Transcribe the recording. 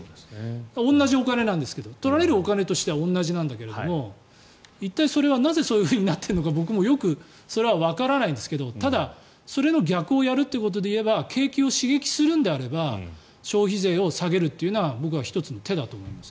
同じお金なんですけど取られるお金としては同じなんですが一体それはなぜ、そうなってるのかは僕もわからないんですがただ、それの逆をやるということで言えば景気を刺激するのであれば消費税を下げるというのは僕は１つの手だと思います。